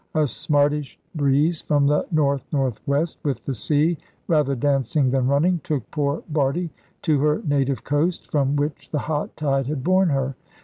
A smartish breeze from the north north west, with the sea rather dancing than running, took poor Bardie to her native coast, from which the hot tide had borne her.